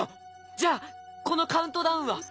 じゃあこのカウントダウンは！